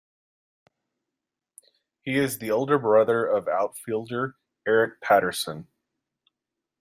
He is the older brother of outfielder Eric Patterson.